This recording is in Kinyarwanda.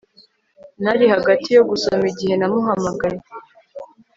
nari hagati yo gusoma igihe namuhamagaye